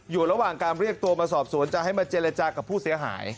อยู่ระหว่างการเรียกตัวมาสอบสวนจะให้มาเจรจากับผู้เสียหาย